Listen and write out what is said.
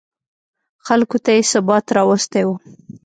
خلکو ته یې ثبات راوستی و.